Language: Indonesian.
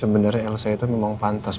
sebenarnya elsa itu memang fantasi